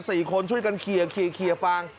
สี่คนช่วยกันเคลียร์ฟาง